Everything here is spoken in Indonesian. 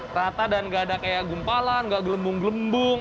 rata dan nggak ada kayak gumpalan nggak gelembung gelembung